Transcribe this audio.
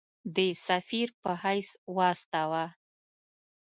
د سفیر په حیث واستاوه.